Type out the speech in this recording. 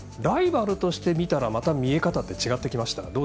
ライバルとして見たらまた見え方って違ってきました？